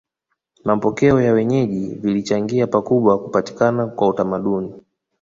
Mapokeo ya wenyeji vilichangia pakubwa kupatikana kwa utamaduni